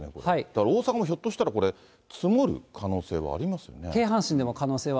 大阪もひょっとしたら、積もる可能性はありますよね。